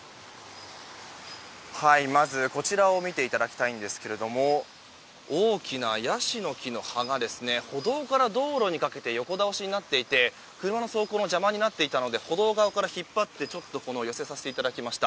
まず、こちらを見ていただきたいんですけれども大きなヤシの木の葉が歩道から道路にかけて横倒しになっていて邪魔になっていたので歩道側から引っ張って寄せさせていただきました。